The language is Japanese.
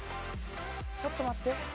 ちょっと待って。